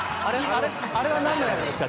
あれは何の役ですか？